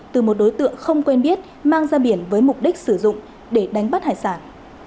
từ một đối tượng không quen biết mang ra biển với mục đích sử dụng để đánh bắt hải sản